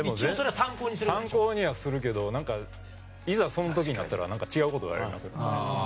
参考にはするけどいざ、その時になったら違うこと言われますよ。